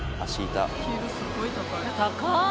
高い！